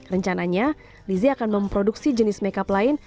rencananya lizzy akan memproduksi jenis makeup lain